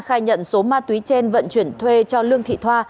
khai nhận số ma túy trên vận chuyển thuê cho lương thị thoa